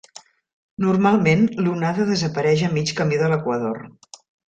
Normalment, l'Onada desapareix a mig camí de l'equador.